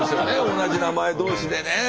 同じ名前同士でね。